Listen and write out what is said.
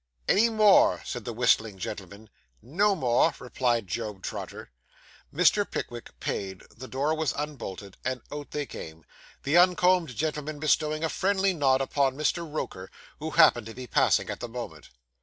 'Any more?' said the whistling gentleman. 'No more,' replied Job Trotter. Mr. Pickwick paid, the door was unbolted, and out they came; the uncombed gentleman bestowing a friendly nod upon Mr. Roker, who happened to be passing at the moment.